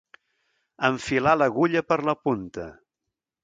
Enfilar l'agulla per la punta.